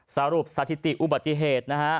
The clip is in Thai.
สรุปสถิติอุบัติเหตุนะฮะ